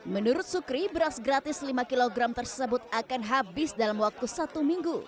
menurut sukri beras gratis lima kg tersebut akan habis dalam waktu satu minggu